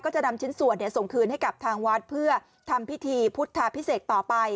จะนำชิ้นส่วนส่งคืนให้กับทางวัดเพื่อทำพิธีพุทธาพิเศษต่อไป